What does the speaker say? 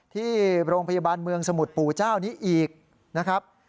ที่โรงพยาบาลเมืองสมุทรปู่เจ้านี้อีกนะครับ